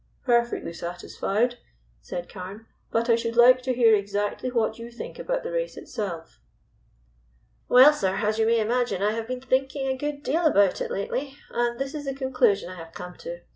"Perfectly satisfied," said Carne, "but I should like to hear exactly what you think about the race itself." "Well, sir, as you may imagine I have been thinking a good deal about it lately, and this the conclusion I have come to.